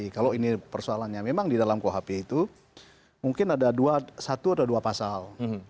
kalau ini persoalannya memang di dalam kuhp itu mungkin ada satu atau dua pasal